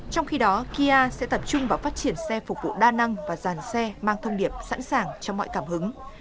trong khi đó kia sẽ tập trung vào phát triển xe phục vụ đa năng và dàn xe mang thông điệp sẵn sàng cho mọi cảm hứng